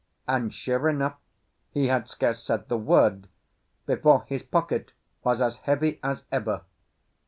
And sure enough he had scarce said the word before his pocket was as heavy as ever.